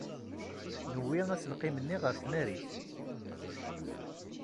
Newwi aselkim-nni ɣer tnarit.